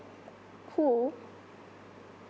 こう？